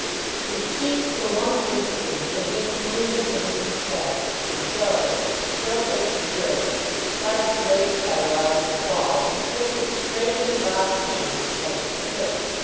It seemed for one instant as if the move had been a success, for Joe, still taking risks, tried to late cut a rising ball, and snicked it straight into Bob's hands at second slip.